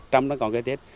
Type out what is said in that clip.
trong đó còn cây chết